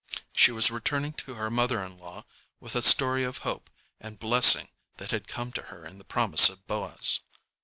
She was returning to her mother in law with a story of hope and blessing that had come to her in the promise of Boaz.